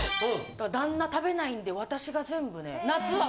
旦那食べないんで私が全部ね。